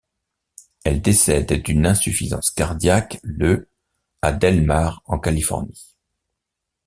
Elle décède d'une insuffisance cardiaque le à Del Mar en Californie.